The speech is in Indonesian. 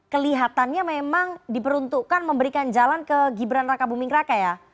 kelihatannya memang diperuntukkan memberikan jalan ke gibran raka buming raka ya